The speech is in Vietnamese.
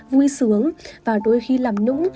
vui sướng và đôi khi làm nũng